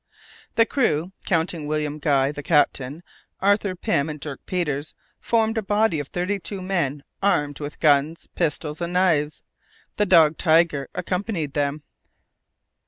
The crew, counting William Guy, the captain, Arthur Pym, and Dirk Peters, formed a body of thirty two men, armed with guns, pistols, and knives. The dog Tiger accompanied them.